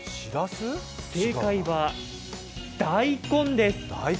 正解は大根です。